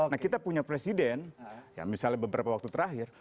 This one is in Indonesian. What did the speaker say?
nah kita punya presiden ya misalnya beberapa waktu terakhir